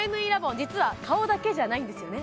実は顔だけじゃないんですよね